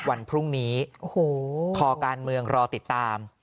วันพรุ่งนี้โอ้โหคอการเมืองรอติดตาม